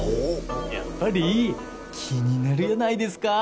やっぱり気になるやないですか